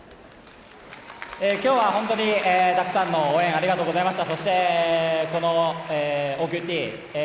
今日は本当にたくさんの応援ありがとうございました。